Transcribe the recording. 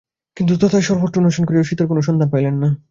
কিন্তু তথায় সর্বত্র অন্বেষণ করিয়াও সীতার কোন সন্ধান পাইলেন না।